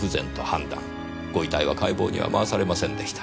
ご遺体は解剖には回されませんでした。